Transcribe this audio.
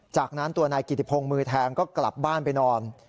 จากนั้นตัวนายกิติพงศ์มือแทงก็กลับบ้านไปนอน